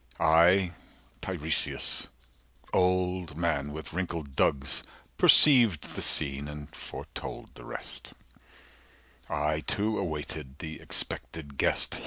I Tiresias, old man with wrinkled dugs Perceived the scene, and foretold the rest— I too awaited the expected guest.